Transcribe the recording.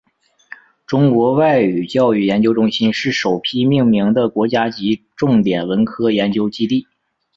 中国外语教育研究中心是首批命名的国家级重点文科研究基地。